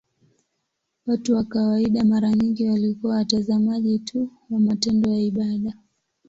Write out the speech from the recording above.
Watu wa kawaida mara nyingi walikuwa watazamaji tu wa matendo ya ibada.